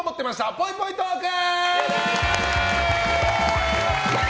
ぽいぽいトーク。